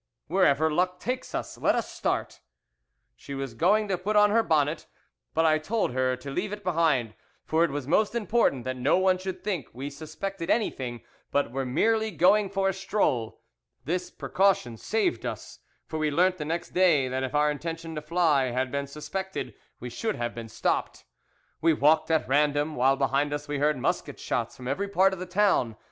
"'Wherever luck takes us. Let us start.' "She was going to put on her bonnet, but I told her to leave it behind; for it was most important that no one should think we suspected anything, but were merely going for a stroll. This precaution saved us, for we learned the next day that if our intention to fly had been suspected we should have been stopped. "We walked at random, while behind us we heard musket shots from every part of the town.